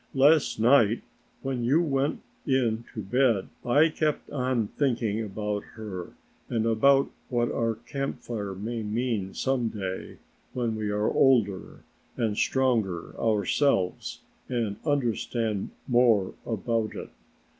Last night when you went in to bed I kept on thinking about her and about what our Camp Fire may mean some day when we are older and stronger ourselves and understand more about it.